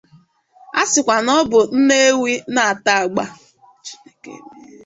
A sịkwa na ọ bụ nne ewu na-ata agba